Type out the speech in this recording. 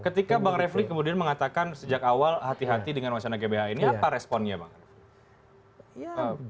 ketika bang refli kemudian mengatakan sejak awal hati hati dengan wacana gbh ini apa responnya bang